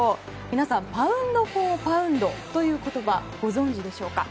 皆さん、パウンド・フォー・パウンドという言葉をご存じでしょうか。